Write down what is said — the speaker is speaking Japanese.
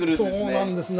そうなんです。